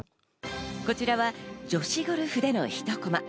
こちらは女子ゴルフでの１コマ。